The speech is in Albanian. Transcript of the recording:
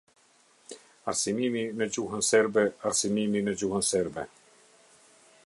Arsimimi në Gjuhën Serbe Arsimimi në Gjuhën Serbe.